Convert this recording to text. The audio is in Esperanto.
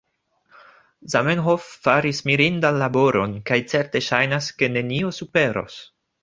Zamenhof faris mirindan laboron, kaj certe ŝajnas, ke nenio superos